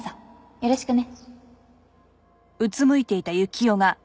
よろしくね。